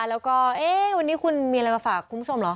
แล้วก็เอ๊ะวันนี้คุณมีอะไรมาฝากคุณผู้ชมเหรอ